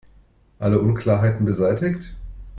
Alle Unklarheiten beseitigt?